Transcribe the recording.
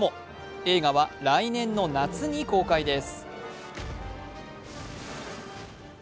映画は来年の夏に公開です。